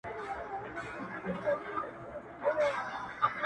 ظالمه زمانه ده جهاني له چا به ژاړو!!